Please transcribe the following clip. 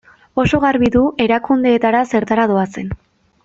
Oso garbi du erakundeetara zertara doazen.